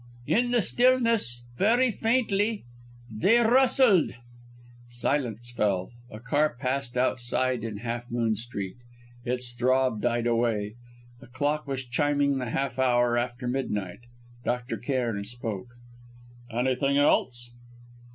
"In the stillness, very faintly, they rustled!" Silence fell. A car passed outside in Half Moon Street; its throb died away. A clock was chiming the half hour after midnight. Dr. Cairn spoke: "Anything else?"